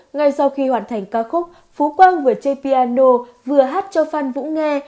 ngay sau khi hoàn thành ca khúc phú quang vừa chê piano vừa hát cho phan vũ nghe